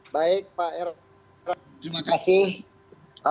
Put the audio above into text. baik pak rt terima kasih